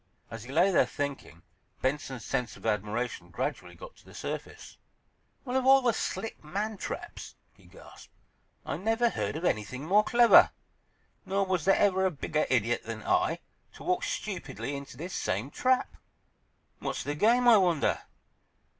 As he lay there, thinking, Benson's sense of admiration gradually got to the surface. "Well, of all the slick man traps!" he gasped. "I never heard of anything more clever. Nor was there ever a bigger idiot than I, to walk stupidly into this same trap! What's the game, I wonder?